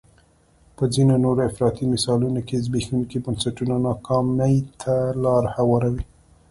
په ځینو نورو افراطي مثالونو کې زبېښونکي بنسټونه ناکامۍ ته لار هواروي.